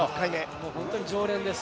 もう本当に常連です。